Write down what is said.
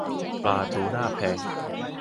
ปลาทูน่าแพง